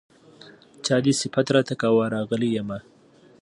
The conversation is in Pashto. چا دې صفت راته کاوه راغلی يمه